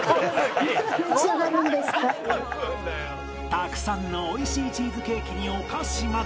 たくさんの美味しいチーズケーキにお菓子まで